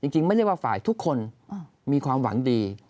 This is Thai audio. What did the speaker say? จริงไม่เรียกว่าฝ่ายทุกคนมีความหวังดี